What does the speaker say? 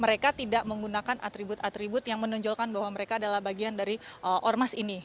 mereka tidak menggunakan atribut atribut yang menunjukkan bahwa mereka adalah bagian dari ormas ini